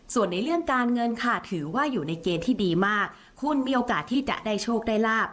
ส่วนในเรื่องการเงินค่ะถือว่าอยู่ในเกณฑ์ที่ดีมากคุณมีโอกาสที่จะได้โชคได้ลาบ